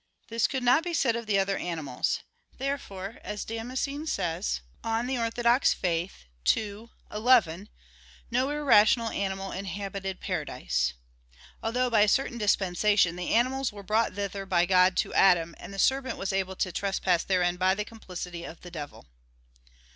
This could not be said of the other animals. Therefore, as Damascene says (De Fide Orth. ii, 11): "No irrational animal inhabited paradise"; although, by a certain dispensation, the animals were brought thither by God to Adam; and the serpent was able to trespass therein by the complicity of the devil.